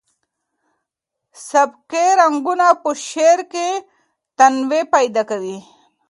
سبکي رنګونه په شعر کې تنوع پیدا کوي.